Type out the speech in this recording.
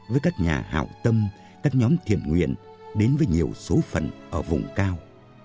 với các nhà hạo tâm các nhóm thiện nguyện đến với nhiều số phận ở vùng cao